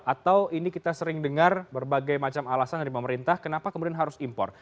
atau ini kita sering dengar berbagai macam alasan dari pemerintah kenapa kemudian harus impor